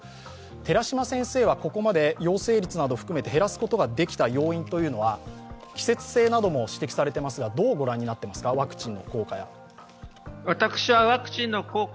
寺嶋先生はこれまで陽性率も含めて減らすことができた要因は季節性なども指摘されていますが、どう御覧になっていますか、ワクチンの効果。